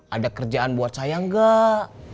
ada kerjaan buat saya enggak